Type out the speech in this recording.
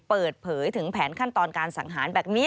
เปิดเผยถึงแผนขั้นตอนการสังหารแบบนี้